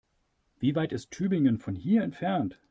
Wie weit ist Tübingen von hier entfernt?